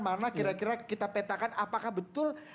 mana kira kira kita petakan apakah betul